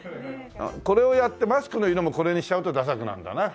これをやってマスクの色もこれにしちゃうとダサくなるんだな。